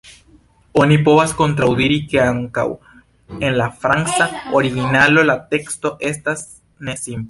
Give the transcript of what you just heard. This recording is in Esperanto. Oni povas kontraŭdiri, ke ankaŭ en la franca originalo la teksto estas ne simpla.